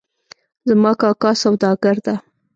زما کاکا سوداګر ده